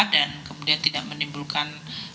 kemudian tidak menimbulkan